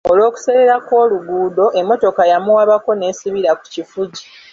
Olw'okuseerera kw'oluguudo, emmotoka yamuwabako n'esibira ku kifugi.